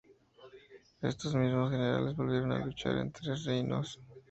Estos mismos generales volvieron a luchar en los Tres Reinos.